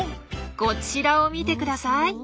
こちらを見てください。